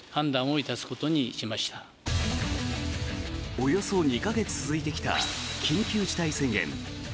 およそ２か月続いてきた緊急事態宣言。